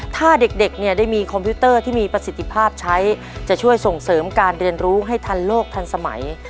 ถ้าเด็กเนี่ยได้มีคอมพิวเตอร์ที่มีประสิทธิภาพใช้จะช่วยส่งเสริมการเรียนรู้ให้ทันโลกทันสมัย